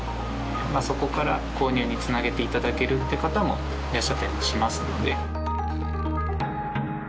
そこから購入につなげていただけるという方もいらっしゃったりもしますので。